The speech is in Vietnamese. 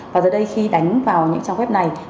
và giờ đây khi đánh vào những trang web này